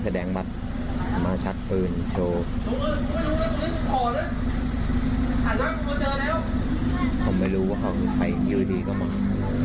ผมไม่รู้ว่าเขามีใครอีกรู้สึกดีก็มอง